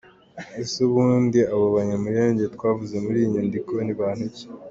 Ese ubundi abo banyamulenge twavuze muri iyi nyandiko ni bantu ki?